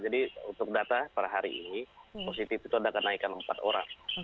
jadi untuk data pada hari ini positif itu ada kenaikan empat orang